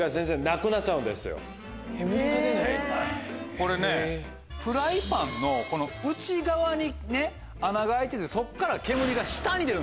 これねフライパンの内側に穴が開いててそこから煙が下に出る。